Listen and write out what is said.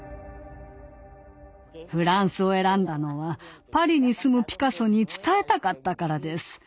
フランスを選んだのはパリに住むピカソに伝えたかったからです。